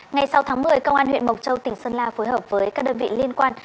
ngày sáu tháng một mươi công an huyện mộc châu tỉnh sơn la phối hợp với các đơn vị liên quan